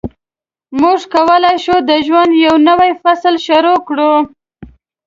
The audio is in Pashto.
موږ کولای شو د ژوند یو نوی فصل شروع کړو.